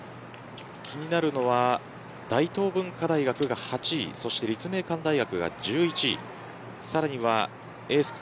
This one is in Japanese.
気になるの大東文化大学が８位立命館大学が１１位。